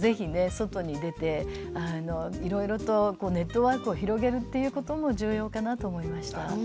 外に出ていろいろとネットワークを広げるということも重要かなと思いました。